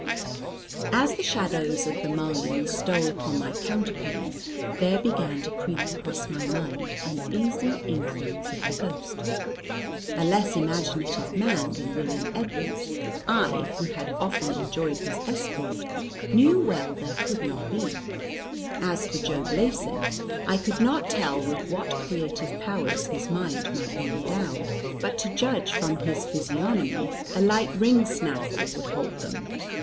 As the shadows of the mullions stole upon my counterpane, there began to creep across my mind uneasy inklings of the ghost. A less imaginative man than William Edwards, I who had often enjoyed his escort, knew well there could not be. As for Job Leyson I could not tell with what creative powers his mind might be endowed; but to judge from physiognomy a light ring snaffle would hold them.